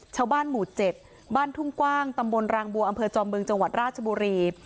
ชาวบ้านหมู่๗บ้านทุ่งกว้างตำบลรางบัวอำเภอจอมบึงจังหวัดราชบุรี